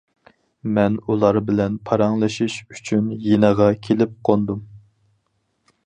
مەن ئۇلار بىلەن پاراڭلىشىش ئۈچۈن يېنىغا كېلىپ قوندۇم.